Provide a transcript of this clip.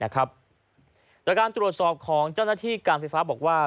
จากการตรวจสอบของเจ้าหน้าที่การไฟฟ้าบอกว่า